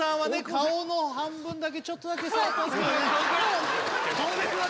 顔の半分だけちょっとだけ触ってますけどね